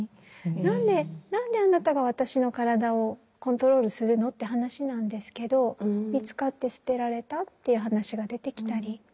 何で何であなたが私の体をコントロールするのって話なんですけど見つかって捨てられたっていう話が出てきたり。